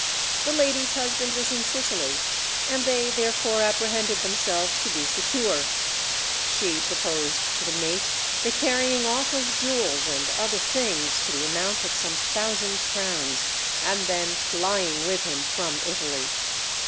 The lady's husband was in Sicily, and they therefore apprehended themselves to be secure; she proposed to the mate the carrying off of jewels and other things, to the amount of some thousand crowns, and then flying with him from Italy.